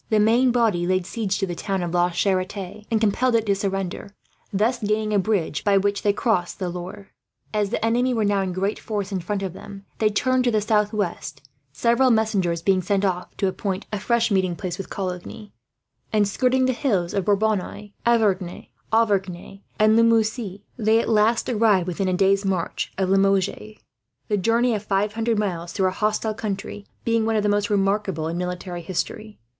The main body laid siege to the town of La Chants, and compelled it to surrender, thus gaining a bridge by which they crossed the Loire. As the enemy were now in great force, in front of them; they turned to the southwest, several messengers being sent off to appoint a fresh meeting place with Coligny; and skirting the hills of Bourbonais, Auvergne, and Limousin, they at last arrived within a day's march of Limoges; the journey of five hundred miles, through a hostile country, being one of the most remarkable in military history.